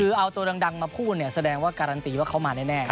คือเอาตัวดังมาพูดแสดงว่าการันตีว่าเขามาแน่